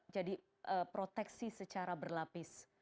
jadi proteksi secara berlapis